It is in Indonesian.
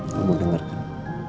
aku mau dengerin